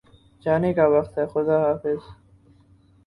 جانے کا وقت ہےخدا حافظ